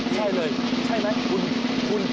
ใช่เลยใช่ไหมคุณคุณคุณ